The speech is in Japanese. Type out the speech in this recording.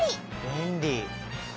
便利。